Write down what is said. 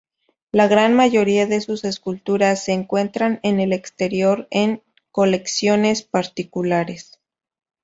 La gran mayoría de sus esculturas se encuentran en el exterior en colecciones particulares.